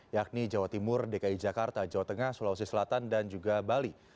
yakni jawa timur dki jakarta jawa tengah sulawesi selatan dan juga bali